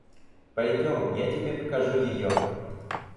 Пойдем, я тебе покажу ее.